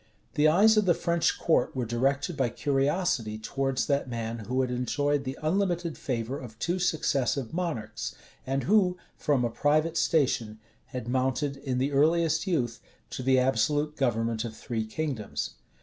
The eyes of the French court were directed by curiosity towards that man who had enjoyed the unlimited favor of two successive monarchs, and who, from a private station, had mounted, in the earliest youth, to the absolute government of three kingdoms.